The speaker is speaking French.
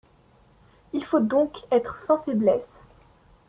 Il faut donc être sans faiblesse.